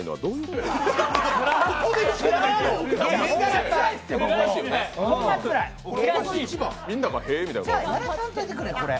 じゃあやらさんといてくれこれ。